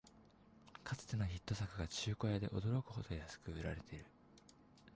かつてのヒット作が中古屋で驚くほど安く売られてる